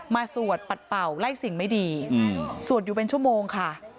สวดปัดเป่าไล่สิ่งไม่ดีสวดอยู่เป็นชั่วโมงค่ะ